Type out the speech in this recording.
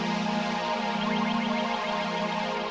orang kita lebih dari orang miskin